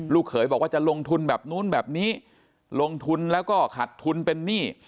เขยบอกว่าจะลงทุนแบบนู้นแบบนี้ลงทุนแล้วก็ขัดทุนเป็นหนี้